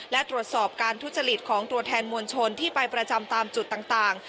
และตรวจสอบการทุจริตของตัวแทนมวลชนที่ไปประจำตามจุดต่าง